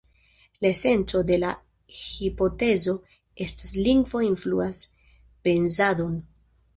La esenco de la hipotezo estas: "lingvo influas pensadon".